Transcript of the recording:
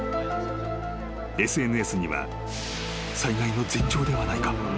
［ＳＮＳには「災害の前兆ではないか？」］